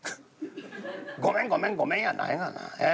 「ごめんごめんごめんやないがな。